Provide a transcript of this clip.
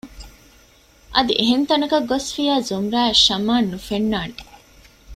އަދި އެހެން ތަނަކަށް ގޮސްފިއްޔާ ޒުމްރާއަށް ޝަމްއާން ނުފެންނާނެ